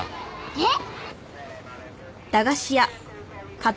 えっ？